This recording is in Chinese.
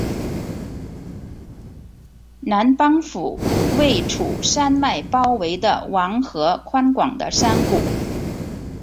南邦府位处山脉包围的王河宽广的山谷。